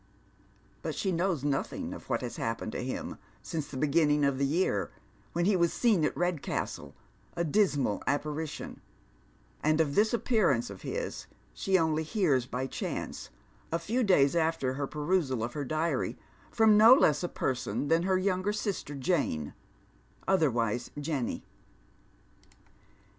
But she knows nothing of what has happened to him since the beginning of the year, when he was seen at Redcastle, a dismal apparition ; and of this appearance of his she only heara by chance, a few days after her perusal of her diary, from no less » person than her younger sister Jane, otherwise Jenny.